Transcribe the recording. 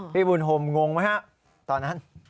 พี่บุญโฮมงงไหมครับตอนนั้น